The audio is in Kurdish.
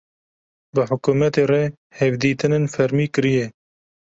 bi hukumetê re hevditînên fermî kiriye.